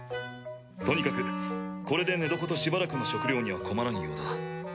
とにかくこれで寝床としばらくの食料には困らんようだ。